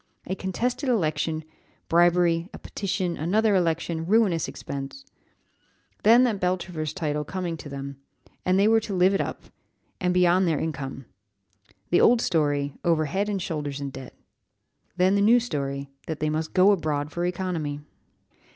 A contested election bribery a petition another election ruinous expense. Then that Beltravers title coming to them: and they were to live up to it, and beyond their income. The old story over head and shoulders in debt. Then the new story, that they must go abroad for economy!"